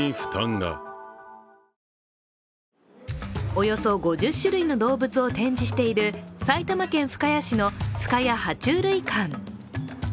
およそ５０種類の動物を展示している埼玉県深谷市の深谷爬虫類館。